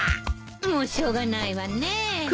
もうしょうがないわね。